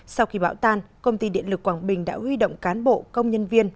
sau khi bão tan công ty điện lực quảng bình đã huy động cán bộ công nhân viên